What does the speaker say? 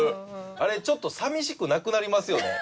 あれちょっと寂しくなくなりますよね。